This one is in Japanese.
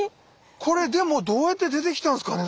これでもどうやって出てきたんですかね？